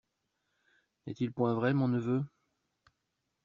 N'est-il point vrai, mon neveu?